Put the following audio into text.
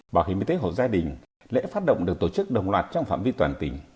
bảo hiểm y tế hộ gia đình lễ phát động được tổ chức đồng loạt trong phạm vi toàn tỉnh